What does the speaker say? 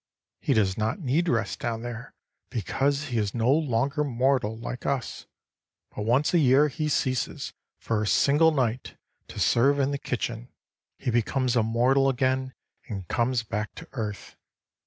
"He does not need rest down there, because he is no longer mortal like us. But once a year he ceases, for a single night, to serve in the kitchen. He becomes a mortal again and comes back to earth.